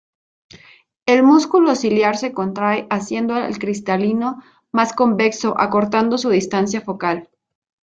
El músculo ciliar se contrae haciendo al cristalino más convexo, acortando su distancia focal.